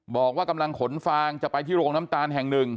บอกว่ากำลังขนฟางจะไปที่โรงน้ำตาลแห่งหนึ่ง